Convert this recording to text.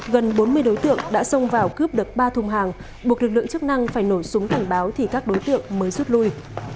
gần bốn mươi đối tượng đã xông vào cướp được ba thùng hàng buộc lực lượng chức năng phải nổ súng cảnh báo thì các đối tượng mới rút lui